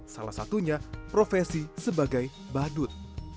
salah satunya profesi sebagai badut